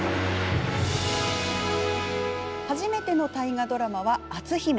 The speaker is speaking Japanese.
初めての大河ドラマは「篤姫」。